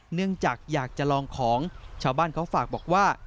เนื่องจากอยากจะลองของชาวบ้านเขาฝากบอกว่า